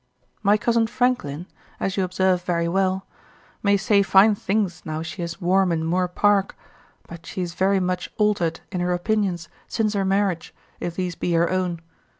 My cousin Franklin (as you observe very well) may say fine things now she is warm in Moor Park, but she is very much altered in her opinions since her marriage, if these be her own.